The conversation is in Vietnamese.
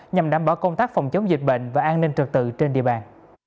nhằm đảm bảo công tác phòng chống dịch bệnh và an ninh trật tự trên địa bàn